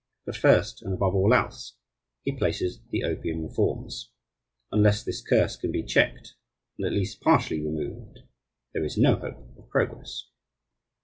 But first, and above all else, he places the opium reforms. Unless this curse can be checked, and at least partially removed, there is no hope of progress.